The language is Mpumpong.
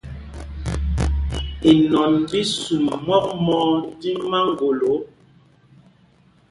Inɔn ɓí í sum mɔk mɔɔ tí maŋgolo.